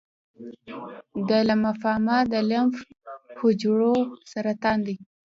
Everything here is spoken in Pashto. د لمفوما د لمف حجرو سرطان دی.